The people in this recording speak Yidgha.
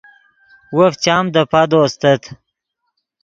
وف چام دے پادو استت